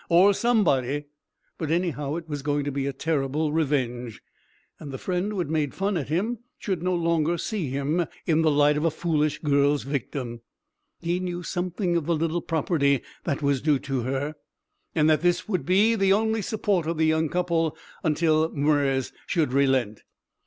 Or somebody. But anyhow, it was to be a terrible revenge; and the friend who had made fun at him should no longer see him in the light of a foolish girl's victim. He knew something of the little property that was due to her, and that this would be the only support of the young couple until Mwres should relent.